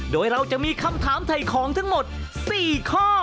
โดยเราจะมีคำถามถ่ายของทั้งหมด๔ข้อ